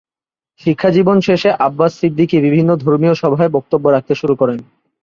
শিক্ষা জীবন শেষে আব্বাস সিদ্দিকী বিভিন্ন ধর্মীয় সভায় বক্তব্য রাখতে শুরু করেন।